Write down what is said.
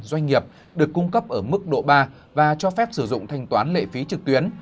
doanh nghiệp được cung cấp ở mức độ ba và cho phép sử dụng thanh toán lệ phí trực tuyến